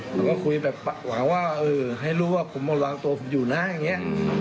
เราก็คุยแบบหวังว่าเออให้รู้ว่าผมมาวางตัวผมอยู่นะอย่างนี้